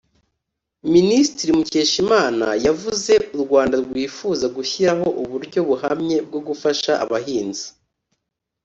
Minisitiri Mukeshimana yavuze u Rwanda rwifuza gushyiraho uburyo buhamye bwo gufasha abahinzi